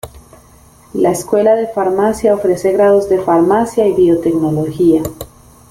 La escuela de farmacia ofrece grados de farmacia y biotecnología.